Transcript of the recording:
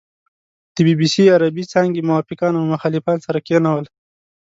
د بي بي سي عربې څانګې موافقان او مخالفان سره کېنول.